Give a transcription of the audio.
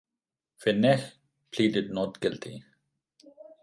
Fenech pleaded not guilty.